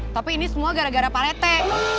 tapi ini semua gara gara pak rete